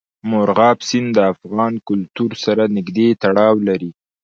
مورغاب سیند د افغان کلتور سره نږدې تړاو لري.